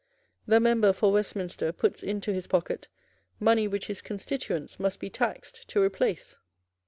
The member for Westminster puts into his pocket money which his constituents must be taxed to replace."